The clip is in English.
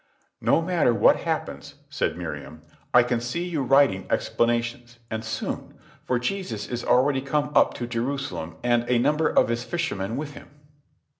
"No matter what happens," said Miriam, "I can see you writing explanations, and soon; for Jesus is already come up to Jerusalem and a number of his fishermen with him."